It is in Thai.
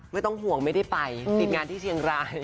ไม่ต้องห่วงไม่ได้ไปติดงานที่เชียงราย